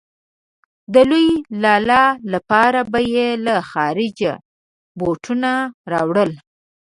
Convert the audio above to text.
د لوی لالا لپاره به يې له خارجه بوټونه راوړل.